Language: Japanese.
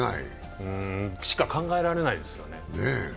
そうしか考えられないですよね。